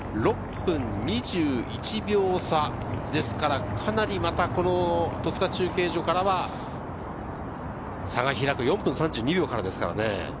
６分２１秒差、かなりまた戸塚中継所からは差が開く、４分３２秒からですからね。